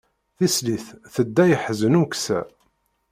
Tislit tedda iḥzen umeksa.